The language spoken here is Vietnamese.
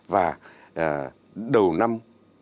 và đầu năm bảy mươi chín